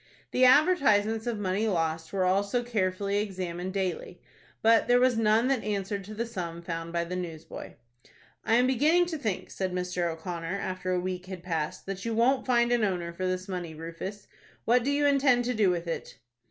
The advertisements of money lost were also carefully examined daily; but there was none that answered to the sum found by the newsboy. "I am beginning to think," said Mr. O'Connor, after a week had passed, "that you won't find an owner for this money, Rufus. What do you intend to do with it?"